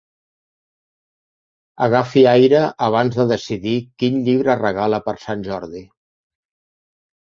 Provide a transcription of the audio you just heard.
Agafi aire abans de decidir quin llibre regala per sant Jordi.